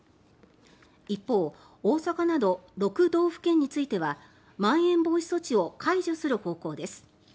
一方大阪など６道府県についてはまん延防止措置を解除する方向です。